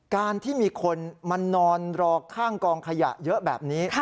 การที่มีคนมานอนรอข้างกองขยะเยอะแบบนี้